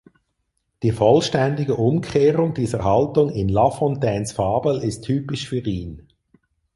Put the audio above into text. Die vollständige Umkehrung dieser Haltung in La Fontaines Fabel ist typisch für ihn.